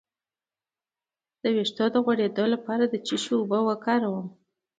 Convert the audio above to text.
د ویښتو د غوړ لپاره د څه شي اوبه وکاروم؟